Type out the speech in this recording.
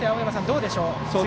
どうでしょうか。